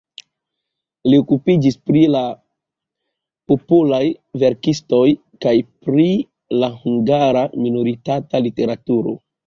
Li okupiĝis pri la popolaj verkistoj kaj pri la hungara minoritata literaturo.